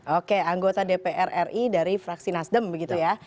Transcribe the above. oke anggota dpr ri dari fraksi nasdem begitu ya